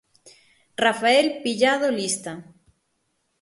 Rafael Pillado Lista.